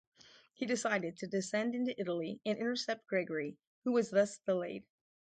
He decided to descend into Italy and intercept Gregory, who was thus delayed.